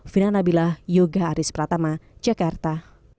fina nabilah yoga aris pratama jakarta